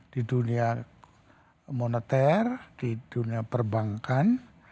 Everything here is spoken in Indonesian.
di dunia moneter di dunia perbankan